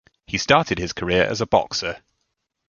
He started his career as a boxer.